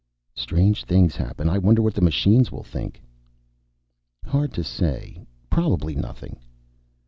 "Strange things happen. I wonder what the machines will think." "Hard to say. Probably nothing."